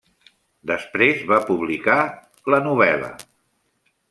Després va publicar novel·la.